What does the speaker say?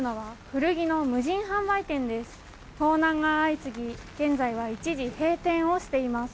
盗難が相次ぎ現在は一時閉店をしています。